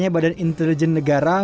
badan intelijen negara